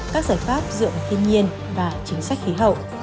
các giải pháp dựa vào thiên nhiên và chính sách khí hậu